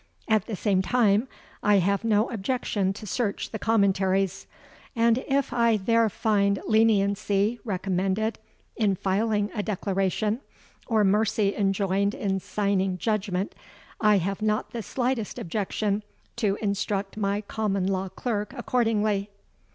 'At the same time, I have no objection to search the Commentaries; and if I there find leniency recommended in filing a declaration, or mercy enjoined in signing judgment, I have not the slightest objection to instruct my common law clerk accordingly.'